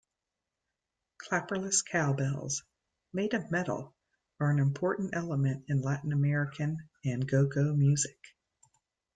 "Clapperless cowbells" made of metal are an important element in Latin-American and go-go music.